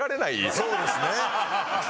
そうですね。